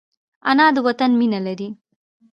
انا د وطن مینه لري